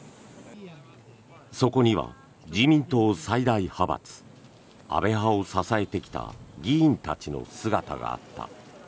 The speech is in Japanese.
そこには自民党最大派閥安倍派を支えてきた議員たちの姿があった。